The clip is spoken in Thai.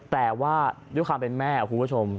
แต่ว่าด้วยความเป็นแม่คุณผู้ชม